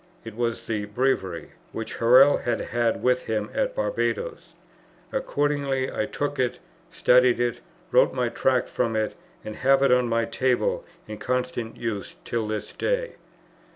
It was the Breviary which Hurrell had had with him at Barbadoes. Accordingly I took it, studied it, wrote my Tract from it, and have it on my table in constant use till this day.